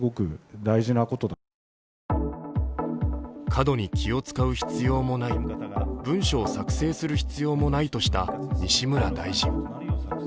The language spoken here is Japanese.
過度に気を遣う必要もない、文書を作成する必要もないとした西村大臣。